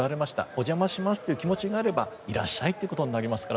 お邪魔しますという気持ちがあればいらっしゃいということにもなります。